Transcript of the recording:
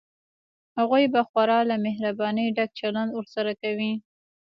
هغوی به خورا له مهربانۍ ډک چلند ورسره کوي.